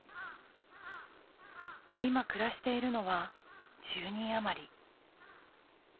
今暮らしているのは１０人余り。